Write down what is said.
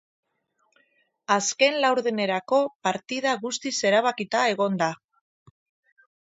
Azken laurdenerako, partida guztiz erabakita egon da.